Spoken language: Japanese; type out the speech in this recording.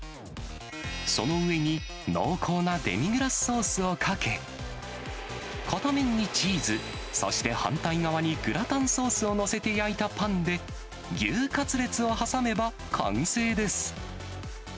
その上に濃厚なデミグラスソースをかけ、片面にチーズ、そして反対側にグラタンソースを載せて焼いたパンで、牛カツレツを挟めば完成です。